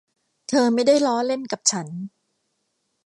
เธอไม่ได้ล้อเล่นกับฉัน